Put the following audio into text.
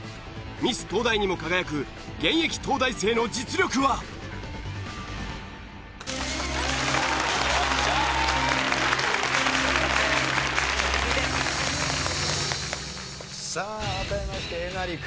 ミス東大にも輝く現役東大生の実力は？さあ改めましてえなり君。